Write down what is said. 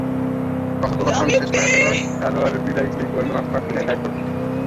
কথোপকথন শেষ করার জন্য খেলোয়াড় 'বিদায়' ক্লিক করবেন অথবা 'বিদায়' টাইপ করবেন।